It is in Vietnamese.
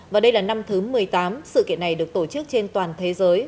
và đây là năm thứ một mươi tám sự kiện này được tổ chức trên toàn thế giới